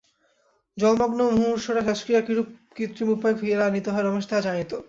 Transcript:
জলমগ্ন মুমূর্ষুর শ্বাসক্রিয়া কিরূপ কৃত্রিম উপায়ে ফিরাইয়া আনিতে হয়, রমেশ তাহা জানিত।